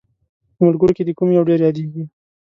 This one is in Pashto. په ملګرو کې دې کوم یو ډېر یادیږي؟